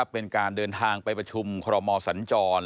เป็นการเดินทางไปประชุมคอรมอสัญจร